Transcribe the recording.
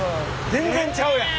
全然ちゃうやん。